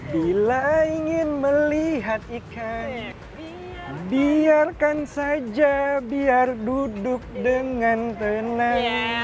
bila ingin melihat ikan biarkan saja biar duduk dengan tenang